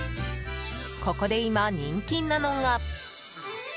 ここで今、人気なのが。